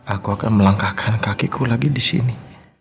aku akan melangkahkan kakiku lagi disini